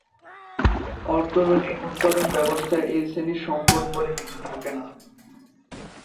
অর্থনৈতিক উৎপাদন ব্যবস্থায় এই শ্রেণীর সম্পদ বলে কিছু থাকে না।